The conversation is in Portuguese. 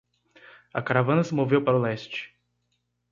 A caravana se moveu para o leste.